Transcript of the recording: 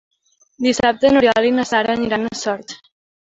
Dissabte n'Oriol i na Sara aniran a Sort.